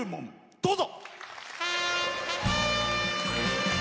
どうぞ。